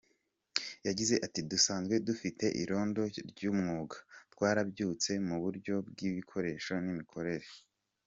Yagize ati “Dusanzwe dufite irondo ry’umwuga, twaryubatse mu buryo bw’ibikoresho n’imikorere.